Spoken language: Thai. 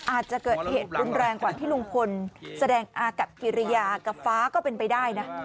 อาจจะเกิดเหตุรุนแรงกว่าที่ลุงพลแสดงอากับกิริยากับฟ้าก็เป็นไปได้นะ